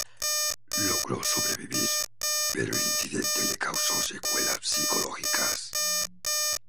Logró sobrevivir pero el incidente le causó secuelas psicológicas.